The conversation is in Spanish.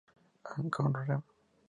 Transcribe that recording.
Ad Honorem.